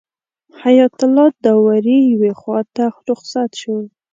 حیات الله داوري یوې خواته رخصت شو.